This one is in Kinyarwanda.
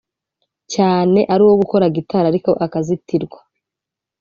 cyane ari uwo gukora gitari ariko akazitirwa